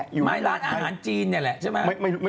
ร้านอาหารจีนเนี่ยล่ะ